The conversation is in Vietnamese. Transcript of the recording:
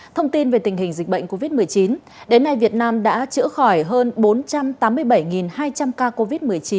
thông tin về tình hình dịch bệnh covid một mươi chín đến nay việt nam đã chữa khỏi hơn bốn trăm tám mươi bảy hai trăm linh ca covid một mươi chín